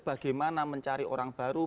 bagaimana mencari orang baru